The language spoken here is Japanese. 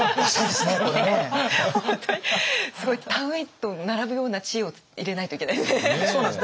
すごい田植えと並ぶような知恵を入れないといけないですね。